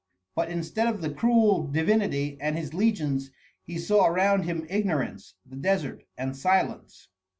But instead of the cruel divinity and his legions he saw around him ignorance, the desert, and silence.